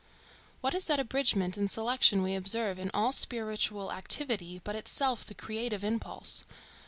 What is that abridgment and selection we observe in all spiritual activity, but itself the creative impulse?